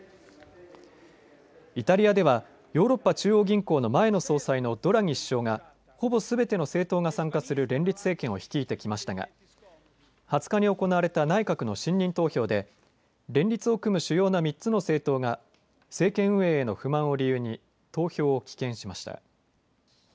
イタリアではヨーロッパ中央銀行の前の総裁のドラギ首相がほぼすべての政党が参加する連立政権を率いてきましたが２０日に行われた内閣の信任投票で連立を組む主要な３つの政党が政権運営への不満を理由に投票を棄権しました。